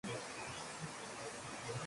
Compuso varios tangos.